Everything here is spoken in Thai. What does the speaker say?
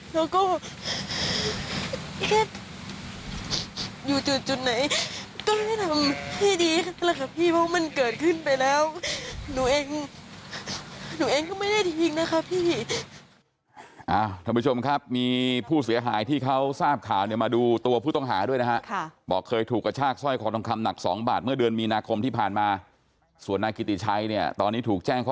แล้วก็แค่อยู่จุดไหนก็ให้ทำให้ดีครับพี่เพราะมันเกิดขึ้นไปแล้วหนูเอง